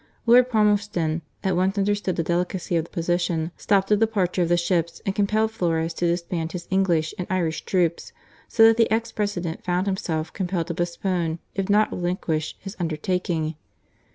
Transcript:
Lord Palmer ston at once understood the delicacy of the position, stopped the departure of the ships, and compelled Flores to disband his English and Irish troops ; so that the ex President found himself compelled to postpone, if not relinquish, his undertaking.